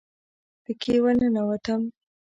پکښې ورننوتم.